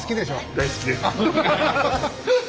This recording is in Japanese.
大好きです！